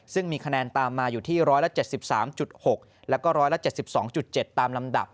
ซึ่งมีคะแนนตามมาอยู่ที่๑๗๓๖แล้วก็๑๗๒๗ตามลำดับ